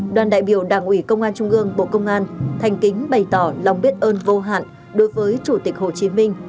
đoàn đại biểu đảng ủy công an trung ương bộ công an thành kính bày tỏ lòng biết ơn vô hạn đối với chủ tịch hồ chí minh